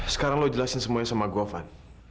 sekarang lu jelasin semuanya sama gue van